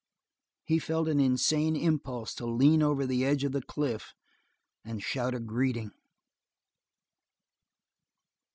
He felt an insane impulse to lean over the edge of the cliff and shout a greeting.